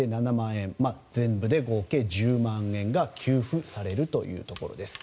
円全部で合計１０万円が給付されるというところです。